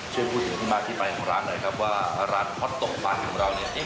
ช่วยพูดถึงที่มาที่ไปของร้านหน่อยครับว่าร้านฮอตตกปั่นของเราเนี่ย